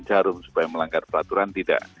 jarum supaya melanggar peraturan tidak